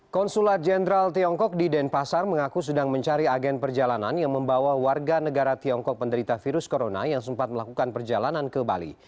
konsulat jenderal tiongkok di denpasar mengaku sedang mencari agen perjalanan yang membawa warga negara tiongkok penderita virus corona yang sempat melakukan perjalanan ke bali